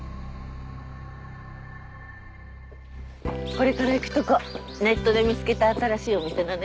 これから行くとこネットで見つけた新しいお店なのよ。